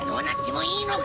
いいのか？